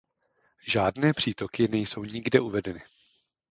Žádné přítoky nejsou nikde uvedeny.